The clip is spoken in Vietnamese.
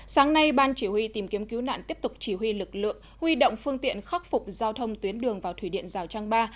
sáng nay ban chỉ huy tìm kiếm cứu nạn tiếp tục chỉ huy lực lượng huy động phương tiện khắc phục giao thông tuyến đường vào thủy điện rào trang ba